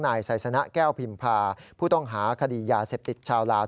นายไซสนะแก้วพิมพาผู้ต้องหาคดียาเสพติดชาวลาว